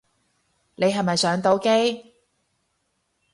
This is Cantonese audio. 你係咪上到機